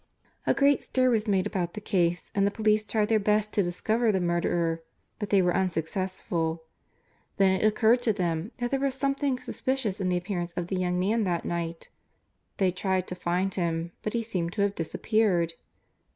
A great stir was made about the case, and the police tried their best to discover the murderer, but they were unsuccessful. Then it occurred to them that there was something suspicious in the appearance of the young man that night. They tried to find him, but he seemed to have disappeared.